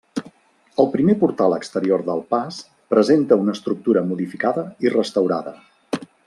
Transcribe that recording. El primer portal exterior del pas, presenta una estructura modificada i restaurada.